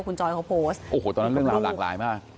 คุณจอยเขาโพสต์โอ้โหตอนนั้นเรื่องราวหลากหลายมาก